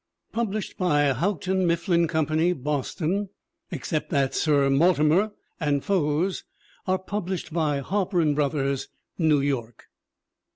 Published by Houghton Mifflin Company, Boston; except that Sir Mortimer and Foes are published by Harper & Brothers, New York.